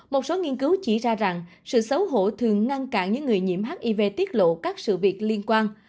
một số nghiên cứu chỉ ra rằng sự xấu hổ thường ngăn cản những người nhiễm hiv tiết lộ các sự việc liên quan